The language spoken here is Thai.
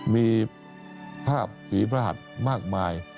มีภาพฝีพระหัสมากมาย